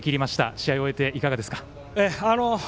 試合を終えて、いかがですか？